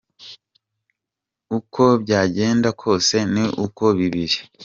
Uko byagenda kose ni uko biri.